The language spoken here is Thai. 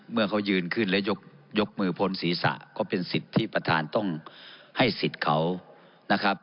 เมื่อเขายืนขึ้นแล้วยกมือพ้นศีรษะก็เป็นสิทธิ์ที่ประธานต้องให้สิทธิ์เขานะครับ